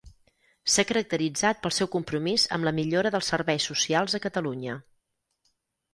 S’ha caracteritzat pel seu compromís amb la millora dels Serveis Socials a Catalunya.